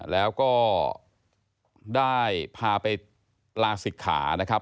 แล้วก็ได้พาไปลาศิกขานะครับ